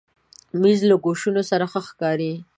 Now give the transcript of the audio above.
مېز له کوشنو سره ښه ښکاري.